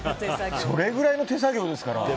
それくらいの手作業ですから。